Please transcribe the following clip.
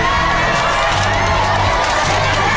เยี่ยม